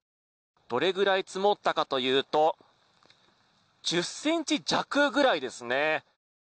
どれぐらい積もったかというと１０ｃｍ弱ぐらいですね。